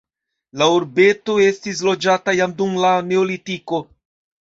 La urbeto estis loĝata jam dum la neolitiko.